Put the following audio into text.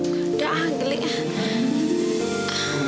udah ah geling